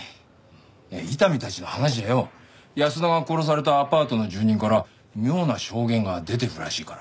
伊丹たちの話じゃよ安田が殺されたアパートの住人から妙な証言が出てるらしいから。